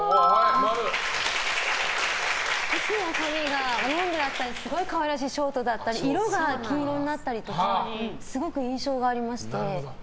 いつも髪がロングだったり可愛らしいショートだったり色が金色になったりとかすごく印象がありまして。